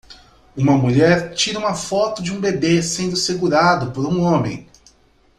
Uma mulher tira uma foto de um bebê sendo segurado por um homem.